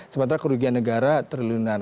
sementara kerugian negara terlunan